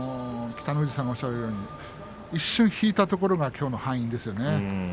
北の富士さんがおっしゃるように一瞬引いたところがきょうの敗因ですかね。